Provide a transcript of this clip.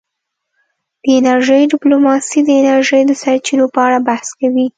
د انرژۍ ډیپلوماسي د انرژۍ د سرچینو په اړه بحث کوي